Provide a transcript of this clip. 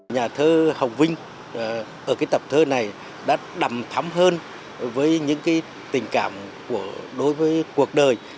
nhà thơ hồng vinh ở tập thơ này đã đầm thắm hơn với những tình cảm đối với cuộc đời